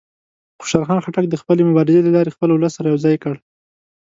خوشحال خان خټک د خپلې مبارزې له لارې خپل ولس سره یو ځای کړ.